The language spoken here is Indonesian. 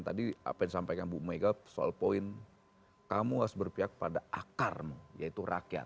tadi apa yang disampaikan bu mega soal poin kamu harus berpihak pada akarmu yaitu rakyat